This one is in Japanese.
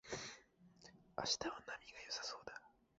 明日は波が良さそうだ